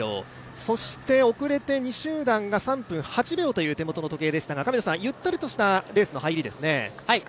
そして遅れて２位集団が３分８秒という手元の時計でしたがゆったりとしたレースの入りですね？